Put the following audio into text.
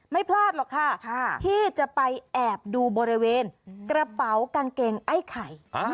ไม่พลาดหรอกค่ะที่จะไปแอบดูบริเวณกระเป๋ากางเกงไอ้ไข่